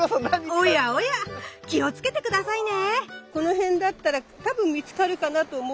おやおや気をつけて下さいね。